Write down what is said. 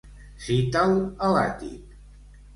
Cita'l a l'àtic.